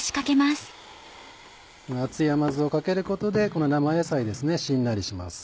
熱い甘酢をかけることでこの生野菜しんなりします。